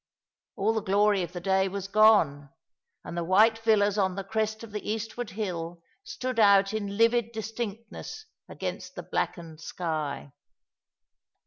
All the glory of the day was gone, and the white villas on the crest of the eastward hill stood out in livid distinctness against the blackened sky.